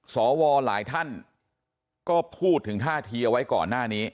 สวหลายท่านก็พูดถึงท่าทีเอาไว้ก่อนหน้านี้